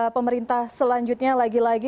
pemerintah selanjutnya lagi lagi